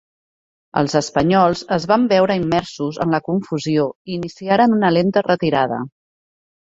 Els espanyols es van veure immersos en la confusió i iniciaren una lenta retirada.